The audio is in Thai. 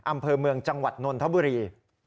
อำเภอเมืองจังหวัดนนทบุรี